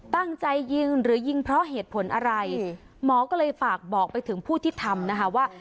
ตั้งใจยิงหรือยิงเพราะเหตุผลอะไรหมอก็เลยฝากบอกไปถึงผู้ที่ทำนะคะว่า